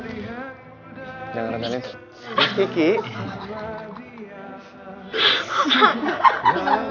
ganti ganti potong gaji ya